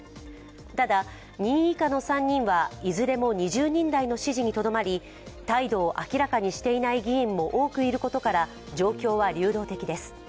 ただ、２位以下の３人はいずれも２０人台の支持にとどまり態度を明らかにしていない議員も多くいることから状況は流動的です。